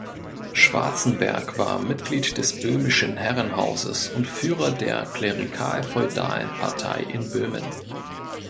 Schwarzenberg war Mitglied des böhmischen Herrenhauses und Führer der klerikal-feudalen Partei in Böhmen.